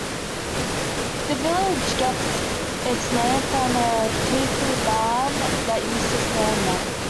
The village gets its name from the tithe barn that used to stand there.